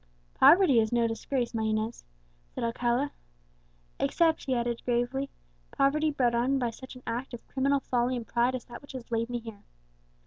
"Poverty is no disgrace, my Inez," said Alcala; "except," he added gravely, "poverty brought on by such an act of criminal folly and pride as that which has laid me here."